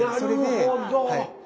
なるほど。